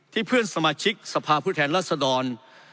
ที่เพื่อนสมาชิกสภาพฤทธรรณรัฐศดร